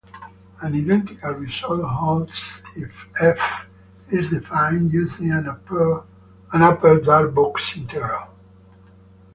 An identical result holds if "F" is defined using an upper Darboux integral.